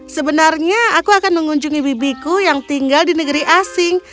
sebenarnya aku akan mengunjungi bibiku yang tinggal di negeri asing